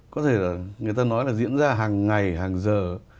có thể là người ta nói là diễn ra hàng ngày hàng giờ